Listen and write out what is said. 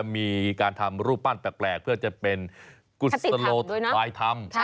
มีการทำรูปปั้นแปลกเพื่อจะเป็นกุศโลบายธรรม